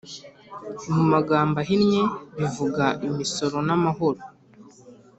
mu magambo ahinnye bivuga imisoro namahoro